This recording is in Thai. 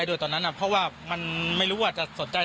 อุ่มล้วยวางตรงที่นู่นอ่ะ